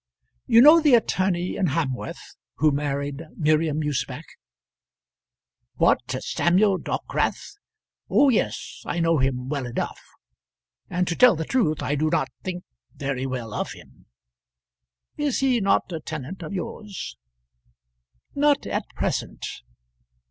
You know the attorney in Hamworth who married Miriam Usbech?" "What, Samuel Dockwrath? Oh, yes; I know him well enough; and to tell the truth I do not think very well of him. Is he not a tenant of yours?" "Not at present."